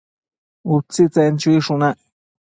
Utsitsen chuishunac